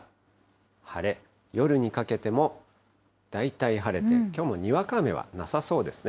晴れ、夜にかけても大体晴れて、きょうもにわか雨はなさそうですね。